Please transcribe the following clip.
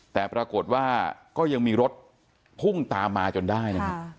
แต่ปรากฏว่าก็ยังมีรถพุ่งตามมาจนได้นะครับ